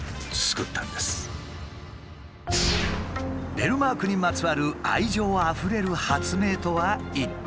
ベルマークにまつわる愛情あふれる発明とは一体。